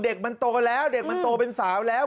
เด็กมันโตแล้วเด็กมันโตเป็นสาวแล้ว